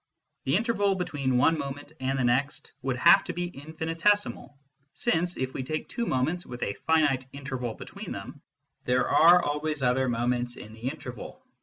The interval between one moment and the next would have to be infinitesimal, since, if we take two moments with a finite interval between them, there are always other moments in the interval.